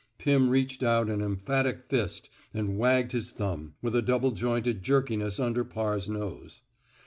Pim reached out an emphatic fist and wagged his thumb, with a double jointed jerkiness, under Parr's nose.